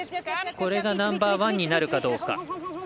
これがナンバーワンになるかどうか。